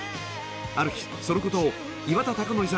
［ある日そのことを岩田剛典さん